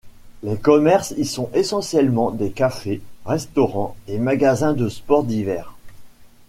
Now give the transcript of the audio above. Les commerces y sont essentiellement des cafés, restaurants et magasins de sports d'hiver.